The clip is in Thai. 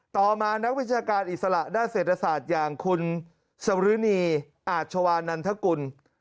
ต่อมานักวิชาการอิสระด้านเศรษฐศาสตร์อย่างคุณสรุณีอาชวานันทกุล